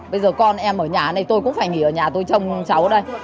bây giờ con em ở nhà này tôi cũng phải nghỉ ở nhà tôi trông cháu ở đây